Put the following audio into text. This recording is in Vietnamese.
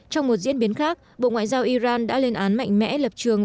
trong một diễn biến khác bộ ngoại giao iran đã lên án mạnh mẽ lập trường